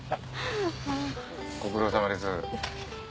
ご苦労さまです。